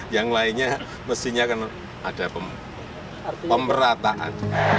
yang lainnya mestinya kan ada pemerataan